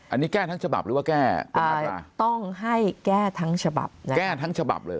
อันนี้แก้ทั้งฉบับหรือว่าแก้ต้องให้แก้ทั้งฉบับแก้ทั้งฉบับเลย